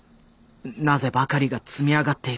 「なぜ？」ばかりが積み上がっていく。